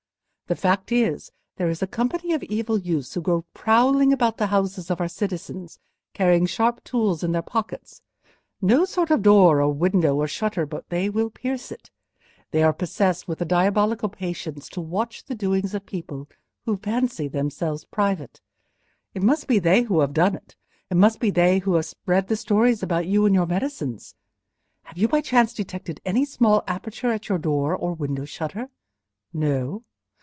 The fact is, there is a company of evil youths who go prowling about the houses of our citizens carrying sharp tools in their pockets;—no sort of door, or window, or shutter, but they will pierce it. They are possessed with a diabolical patience to watch the doings of people who fancy themselves private. It must be they who have done it—it must be they who have spread the stories about you and your medicines. Have you by chance detected any small aperture in your door, or window shutter? No?